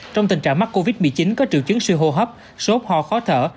trong tình trạng mắc covid một mươi chín có triệu chứng suy hô hấp sốt hò khó thở